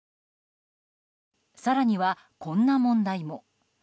更には、こんな問題も。